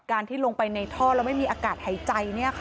การที่ลงไปในท่อแล้วไม่มีอากาศหายใจเนี่ยค่ะ